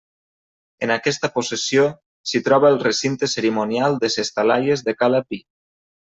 En aquesta possessió s'hi troba el recinte cerimonial de Ses Talaies de Cala Pi.